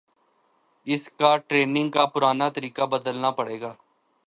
اس کا ٹریننگ کا پرانا طریقہ بدلنا پڑے گا